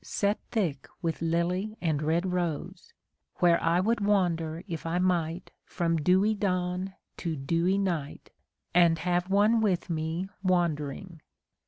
Set thick with lily and red rose. Where I would wander if I might From dewy dawn to dewy night. And have one with me wandering.